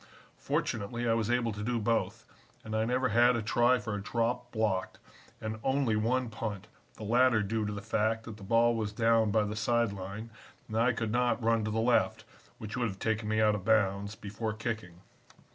Fortunately I was able to do both, and I never had a try for a drop blocked, and only one punt, the latter due to the fact that the ball was down by the side line, and I could not run to the left (which would have taken me out of bounds) before kicking.